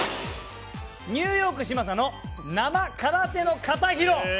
ニューヨーク嶋佐の生空手の形、披露。